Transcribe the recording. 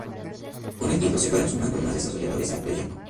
Con el tiempo se fueron sumando más desarrolladores al proyecto.